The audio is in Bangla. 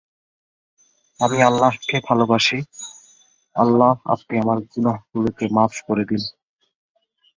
এই অর্থনৈতিক করিডর ভিয়েতনাম, লাওস, থাইল্যান্ড, হয়ে মায়ানমার পর্যন্ত গেছে।